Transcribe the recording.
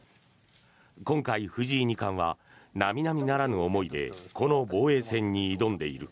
今回、藤井二冠は並々ならぬ思いでこの防衛戦に挑んでいる。